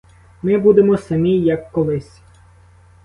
Ми будемо самі, як колись.